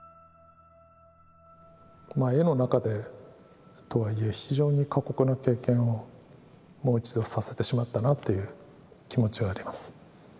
まあ絵の中でとはいえ非常に過酷な経験をもう一度させてしまったなという気持ちはあります。